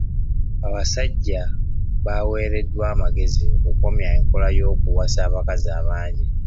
Abasajja baaweereddwa anmagezi okukomya enkola y'okuwasa abakazi abangi.